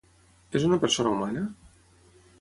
És una persona humana?